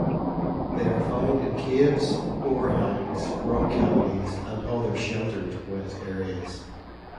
They are found in caves, overhangs, rock cavities, and other sheltered, wet areas.